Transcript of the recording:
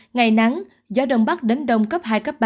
ngày nắng gió đông bắc đến đông cấp hai cấp ba